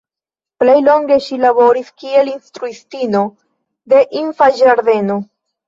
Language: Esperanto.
Plej longe ŝi laboris kiel instruistino de infanĝardeno.